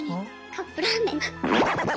カップラーメン。